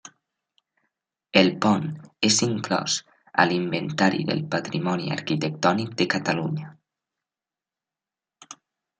El pont és inclòs a l'Inventari del Patrimoni Arquitectònic de Catalunya.